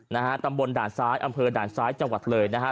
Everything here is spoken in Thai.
นะฮะตำบลด่านซ้ายอำเภอด่านซ้ายจังหวัดเลยนะฮะ